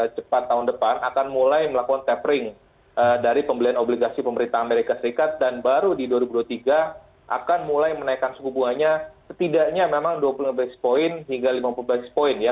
cepat tahun depan akan mulai melakukan tapering dari pembelian obligasi pemerintah amerika serikat dan baru di dua ribu dua puluh tiga akan mulai menaikkan suku bunganya setidaknya memang dua puluh lima lima puluh points ya